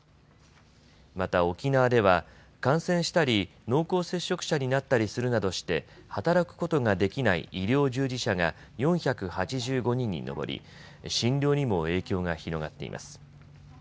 また沖縄では感染したり濃厚接触者になったりするなどして働くことができない医療従事者が４８５人に上り診療にも影響が広がっています。